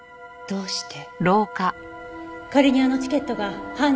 どうして？